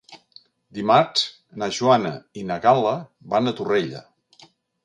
Dimarts na Joana i na Gal·la van a Torrella.